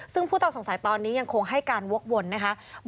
ซึ่งผู้ต้องสงสัยตอนนี้ยังคงให้การวกวนนะคะ